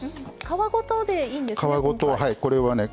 皮ごとでいいんですね。